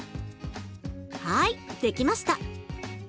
はい出来ました。